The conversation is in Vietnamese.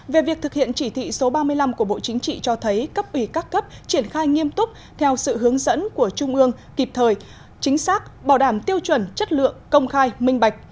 về việc thực hiện chỉ thị số ba mươi năm của bộ chính trị cho thấy cấp ủy các cấp triển khai nghiêm túc theo sự hướng dẫn của trung ương kịp thời chính xác bảo đảm tiêu chuẩn chất lượng công khai minh bạch